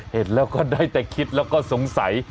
เห็นแล้วก็ได้แต่คิดแล้วก็สงสัย